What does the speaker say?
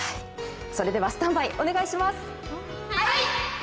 それでは、スタンバイお願いします。